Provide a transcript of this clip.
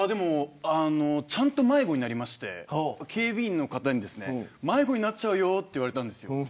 ちゃんと迷子になって警備員の方に迷子になっちゃうよと言われたんです。